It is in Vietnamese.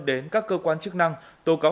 đến các cơ quan chức năng tố cáo